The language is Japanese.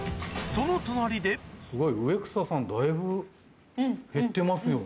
その隣ですごい植草さんだいぶ減ってますよね。